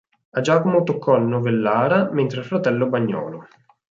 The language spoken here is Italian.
A Giacomo toccò Novellara mentre al fratello Bagnolo.